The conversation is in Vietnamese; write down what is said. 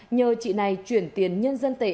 nhờ chị này chuyển tiền nhân dân tệ